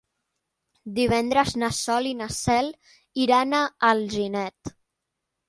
Divendres na Sol i na Cel iran a Alginet.